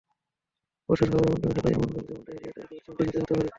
বর্ষায় খাবারের মাধ্যমে ছড়ায় এমন রোগ যেমন ডায়রিয়া, টাইফয়েড, জন্ডিস ইত্যাদি হতে পারে।